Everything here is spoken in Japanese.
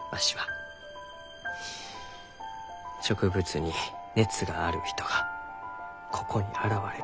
植物に熱がある人がここに現れた。